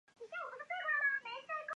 你怎么没告诉我